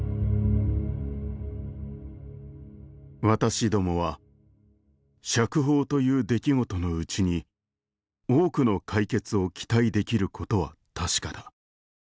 「私どもは釈放という出来事の内に多くの解決を期待出来ることは確かだ。